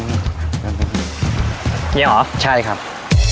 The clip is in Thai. โมงพี่พลังงาน